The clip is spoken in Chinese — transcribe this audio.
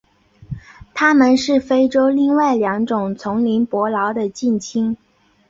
它们是非洲另外两种丛林伯劳的近亲。